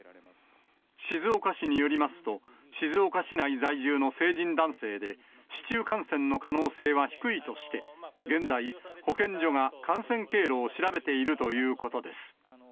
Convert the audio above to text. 静岡市によりますと、静岡市内在住の成人男性で、市中感染の可能性は低いとして、現在、保健所が感染経路を調べているということです。